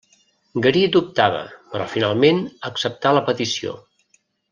Garí dubtava, però finalment acceptà la petició.